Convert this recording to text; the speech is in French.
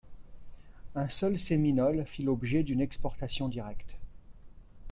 Un seul Seminole fit l’objet d’une exportation directe.